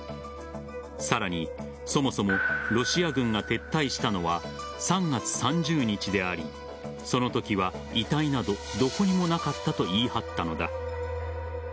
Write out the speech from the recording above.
さらに、そもそもロシア軍が撤退したのは３月３０日でありそのときは遺体などどこにもなかったと言い張ったのだ。